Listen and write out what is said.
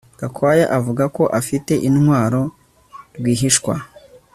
Gakwaya avuga ko afite intwaro rwihishwa